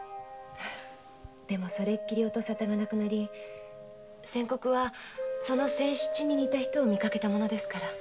でもそれきり音沙汰がなくなり先刻はその仙七に似た人を見かけたものですから。